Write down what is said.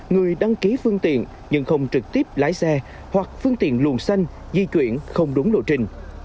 người đăng ký phương tiện nhưng không trực tiếp lái xe hoặc phương tiện luồng xanh di chuyển không đúng lộ trình